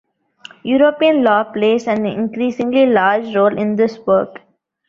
European law plays an increasingly large role in this work.